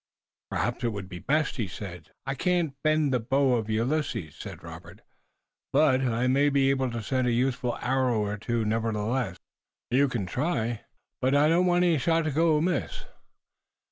"Perhaps it would be best," he said. "I can't bend the bow of Ulysses," said Robert, "but I may be able to send in a useful arrow or two nevertheless." "You can try." "But I don't want any shot to go amiss."